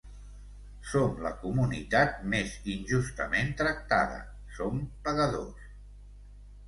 Som la comunitat més injustament tractada, som pagadors.